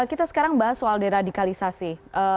kita sekarang bahas soal deradikalisasi